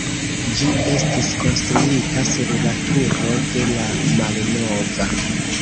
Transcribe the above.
Ĝi estis konstruita sur la turo de la malnova.